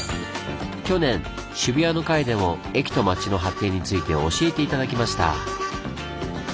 去年「渋谷」の回でも駅と町の発展について教えて頂きました。